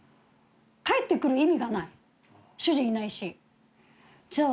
帰ってくる意味がない主人いないしじゃあ